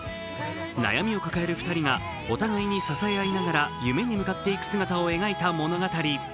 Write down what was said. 悩みを抱える２人がお互いに支えながら夢に向かっていく姿を描いた物語。